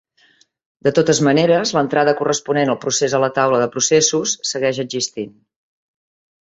De totes maneres, l'entrada corresponent al procés a la taula de processos segueix existint.